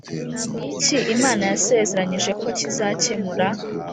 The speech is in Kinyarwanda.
Ni iki Imana yasezeranyije ko kizakemura